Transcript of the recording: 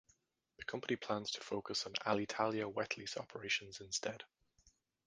The company plans to focus on Alitalia wetlease operations instead.